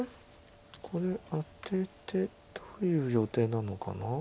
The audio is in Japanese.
これアテてどういう予定なのかな？